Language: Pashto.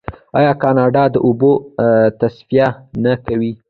آیا کاناډا د اوبو تصفیه نه کوي؟